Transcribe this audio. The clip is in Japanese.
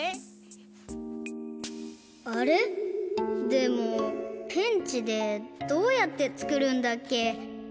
でもペンチでどうやってつくるんだっけ？